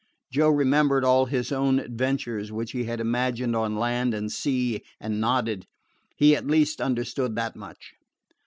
Joe remembered all his own adventures which he had imagined on land and sea, and nodded. He at least understood that much.